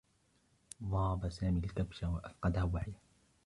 ضرب سامي الكبش و أفقده وعيه.